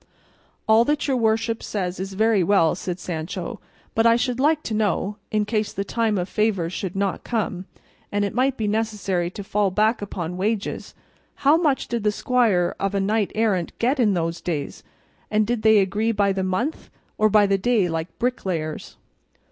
"All that your worship says is very well," said Sancho, "but I should like to know (in case the time of favours should not come, and it might be necessary to fall back upon wages) how much did the squire of a knight errant get in those days, and did they agree by the month, or by the day like bricklayers?"